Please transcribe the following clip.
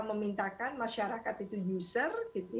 memintakan masyarakat itu user